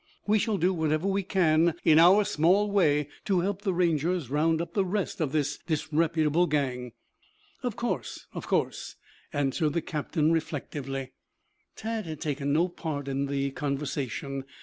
We shall do whatever we can in our small way to help the Rangers round up the rest of this disreputable gang." "Of course, of course," answered the captain reflectively. Tad had taken no part in the conversation.